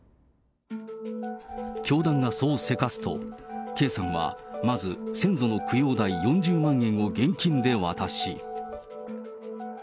教団がそうせかすと、Ｋさんはまず先祖の供養代４０万円を現金で渡し。